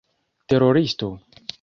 teroristo